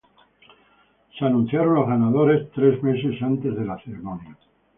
Se anunciaron los ganadores tres meses antes de la ceremonia.